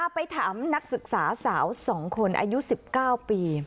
อ้าวไปถามนักศึกษาสาวสองคนอายุสิบเก้าปี